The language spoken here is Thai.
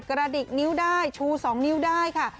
กระดิกนิ้วได้ชู๒นิ้วได้ค่ะ